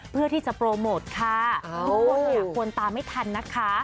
เพื่อที่จะโปรโมทค่ะทุกคนเนี่ยควรตามไม่ทันนะคะ